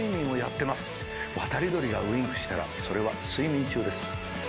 渡り鳥がウインクしたらそれは睡眠中です。